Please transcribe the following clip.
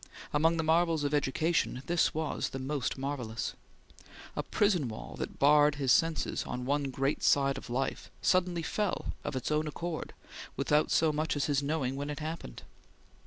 Among the marvels of education, this was the most marvellous. A prison wall that barred his senses on one great side of life, suddenly fell, of its own accord, without so much as his knowing when it happened.